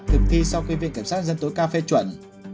thực thi sau khi viện cảnh sát dân tối cao phê chuẩn